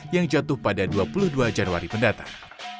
yang jatuh pada dua puluh dua januari mendatang